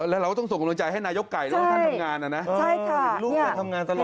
แล้วเราต้องส่งกำลังใจให้นายกไก่แล้วท่านทำงานน่ะนะ